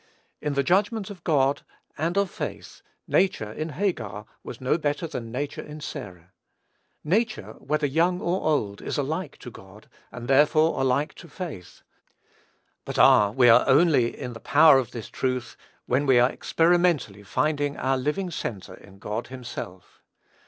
In the judgment of God and of faith, nature in Hagar was no better than nature in Sarah. Nature, whether young or old, is alike to God; and, therefore, alike to faith; but, ah! we are only in the power of this truth when we are experimentally finding our living centre in God himself.